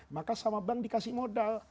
maka sama bank dikasih modal